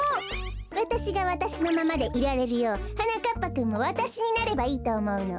わたしがわたしのままでいられるようはなかっぱくんもわたしになればいいとおもうの。